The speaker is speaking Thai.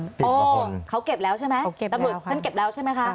๑๐กว่าคนเขาเก็บแล้วใช่ไหมตำรวจเข้าเก็บแล้วใช่ไหมคะ